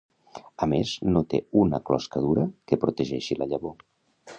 A més no té una closca dura que protegeixi la llavor.